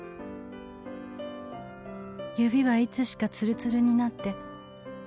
「指はいつしかつるつるになって」